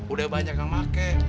udah banyak yang pakai